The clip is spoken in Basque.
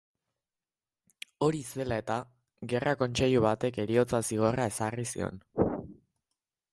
Hori zela eta, gerra-kontseilu batek heriotza zigorra ezarri zion.